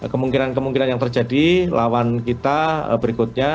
kemungkinan kemungkinan yang terjadi lawan kita berikutnya